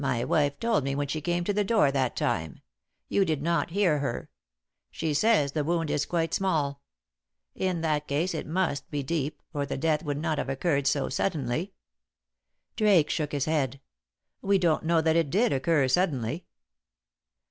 "My wife told me when she came to the door that time. You did not hear her. She says the wound is quite small. In that case it must be deep, or the death would not have occurred so suddenly." Drake shook his head. "We don't know that it did occur suddenly."